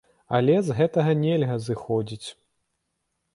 Але з гэтага нельга зыходзіць.